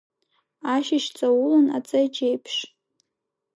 Ашьыжь ҵаулан аҵеџь еиԥш…